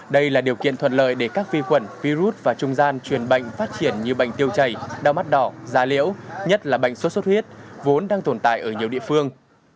đây là điều kiện thuận lợi để các vi khuẩn virus và trung gian truyền bệnh phát triển như bệnh tiêu chảy đau mắt đỏ da liễu nhất là bệnh sốt xuất huyết vốn đang tồn tại ở nhiều địa phương